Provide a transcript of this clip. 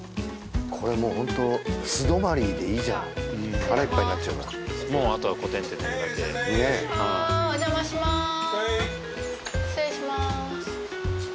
これもうホント素泊まりでいいじゃん腹いっぱいになっちゃうからもうあとはコテンって寝るだけねえお邪魔しまーす失礼しまーす